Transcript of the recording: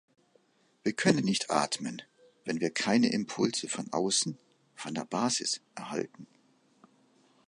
Wir können nicht atmen, wenn wir keine Impulse von außen, von der Basis, erhalten.